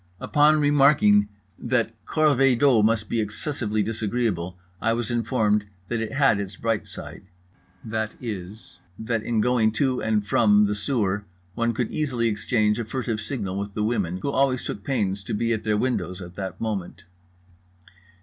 Upon remarking that corvée d'eau must be excessively disagreeable, I was informed that it had its bright side, viz., that in going to and from the sewer one could easily exchange a furtive signal with the women who always took pains to be at their windows at that moment.